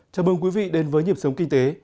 chào mừng quý vị đến với nhịp sống kinh tế